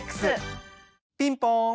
ピンポン。